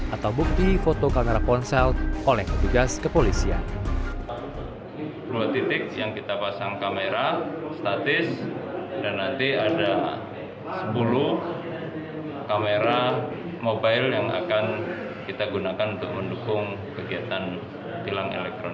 atau bukti foto kamera ponsel oleh petugas kepolisian